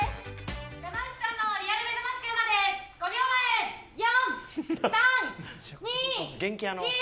山内さんのリアルめざましくんまで５秒前４、３、２、１。